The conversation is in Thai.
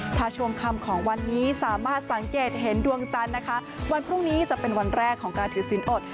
ถ้าช่วงคำของวันนี้สามารถสังเกตเห็นดวงจันทร์นะคะวันพรุ่งนี้จะเป็นวันแรกของการถือสินอด